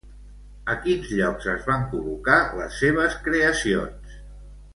A quins llocs es van col·locar les seves creacions?